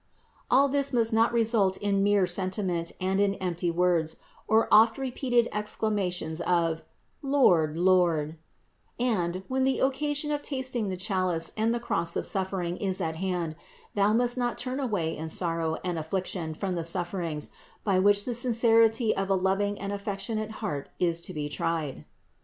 All this must not result in mere senti ment and in empty words, or oft repeated exclamations of: Lord, Lord; and, when the occasion of tasting the chalice and the cross of suffering is at hand, thou must not turn away in sorrow and affliction from the sufferings, by which the sincerity of a loving and affectionate heart is to be tried.